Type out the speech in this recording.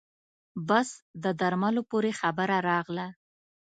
بس د درملو پورې خبره راغله.